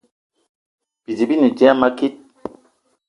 Bidi bi ne dia a makit